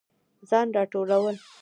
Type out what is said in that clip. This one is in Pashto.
ځان راټولول